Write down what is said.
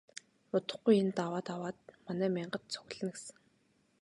Удахгүй энэ даваа даваад манай мянгат цугларна гэсэн.